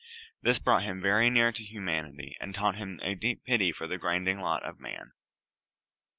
This brought him very near to humanity and taught him a deep pity for the grinding lot of man.